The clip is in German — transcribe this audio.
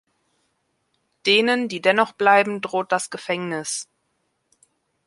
Denen, die dennoch bleiben, droht das Gefängnis.